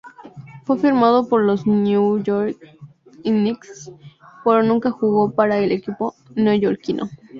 Fue firmado por los New York Knicks, pero nunca jugó para el equipo neoyorquino.